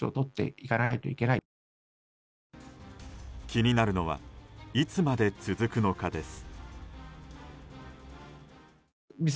気になるのはいつまで続くのかです。